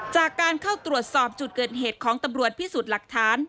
จากการเข้าตรวจสอบจุดเกิดเหตุของตำรวจพิสูจน์หลักฐาน